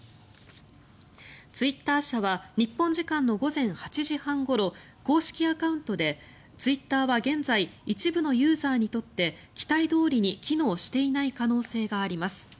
ツイッター社は日本時間の午前８時半ごろ公式アカウントでツイッターは現在一部のユーザーにとって期待どおりに機能していない可能性があります